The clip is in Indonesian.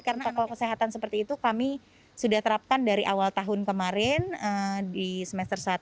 karena protokol kesehatan seperti itu kami sudah terapkan dari awal tahun kemarin di semester satu